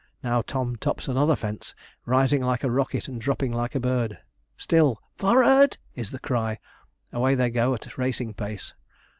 Now Tom tops another fence, rising like a rocket and dropping like a bird; still 'F o o r rard!' is the cry away they go at racing pace.